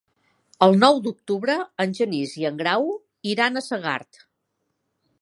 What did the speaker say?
El nou d'octubre en Genís i en Grau iran a Segart.